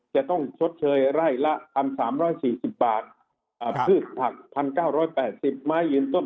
จะต้องชดเชยไร่ละ๑๓๔๐บาทพืชผัก๑๙๘๐ไม้ยืนต้น